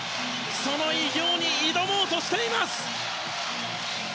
その偉業に挑もうとしています！